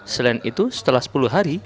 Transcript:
selain itu setelah sepuluh hari